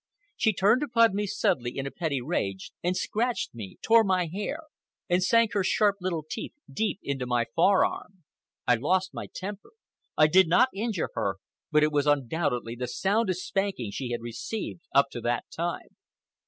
She turned upon me suddenly, in a petty rage, and scratched me, tore my hair, and sank her sharp little teeth deep into my forearm. I lost my temper. I did not injure her, but it was undoubtedly the soundest spanking she had received up to that time.